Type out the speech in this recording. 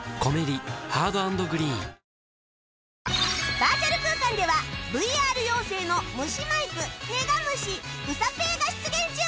バーチャル空間では ＶＲ 妖精の虫マイクネガ虫うさペイが出現中